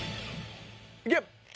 いけ！